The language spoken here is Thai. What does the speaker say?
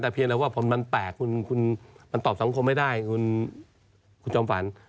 แต่เพียงแต่ว่าผลมันแปลกมันตอบสังคมไม่ได้คุณจอมฝัน